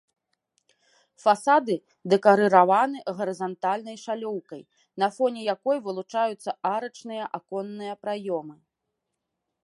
Фасады дэкарыраваны гарызантальнай шалёўкай, на фоне якой вылучаюцца арачныя аконныя праёмы.